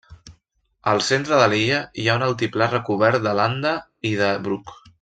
Al centre de l'illa hi ha un altiplà recobert de landa i de bruc.